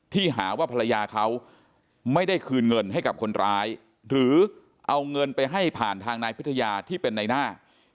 หาว่าภรรยาเขาไม่ได้คืนเงินให้กับคนร้ายหรือเอาเงินไปให้ผ่านทางนายพิทยาที่เป็นในหน้า